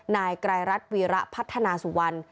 นายไกรรัฐวีระพัฒนาสุวรรณ